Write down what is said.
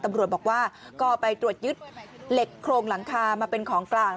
ตำรวจบอกว่าก็ไปตรวจยึดเหล็กโครงหลังคามาเป็นของกลาง